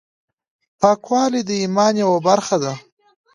پاکوالی د ایمان یوه برخه ده.